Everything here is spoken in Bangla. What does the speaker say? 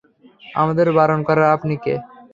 আমাদের বারণ করার আপনি কে?